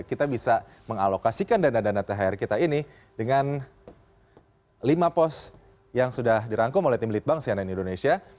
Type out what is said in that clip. kita bisa mengalokasikan dana dana thr kita ini dengan lima pos yang sudah dirangkum oleh tim litbang cnn indonesia